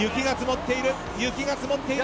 雪が積もっている。